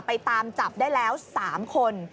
ไปตามจับได้แล้ว๓คน